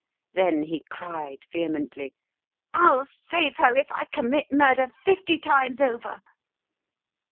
Then he cried vehemently: "I'll save her, if I commit murder fifty times over."